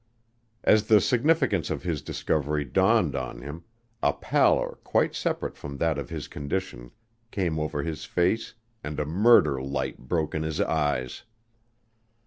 As the significance of his discovery dawned on him, a pallor quite separate from that of his condition came over his face and a murder light broke in his eyes.